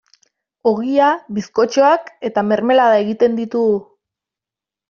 Ogia, bizkotxoak eta mermelada egiten ditugu.